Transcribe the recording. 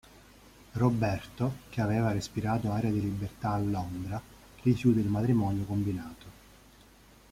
Roberto, che aveva respirato aria di libertà a Londra, rifiuta il matrimonio combinato.